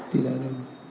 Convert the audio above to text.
tidak ada yang boleh